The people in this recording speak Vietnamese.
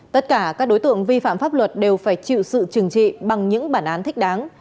tất cả các đối tượng vi phạm pháp luật đều phải chịu sự trừng trị bằng những bản án thích đáng